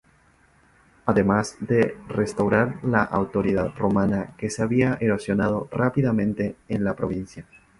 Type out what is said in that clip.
Además de restaurar la autoridad romana que se había erosionado rápidamente en la provincia.